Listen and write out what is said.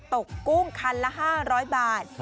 กุ้งคันละ๕๐๐บาท